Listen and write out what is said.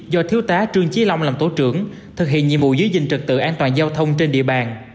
do thiếu tá trương trí long làm tổ trưởng thực hiện nhiệm vụ giữ gìn trực tự an toàn giao thông trên địa bàn